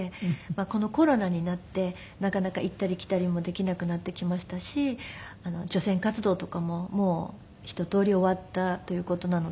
このコロナになってなかなか行ったり来たりもできなくなってきましたし除染活動とかももうひととおり終わったという事なので。